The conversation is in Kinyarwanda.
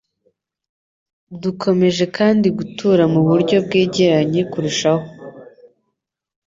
Dukomeje kandi gutura mu buryo bwegeranye kurushaho.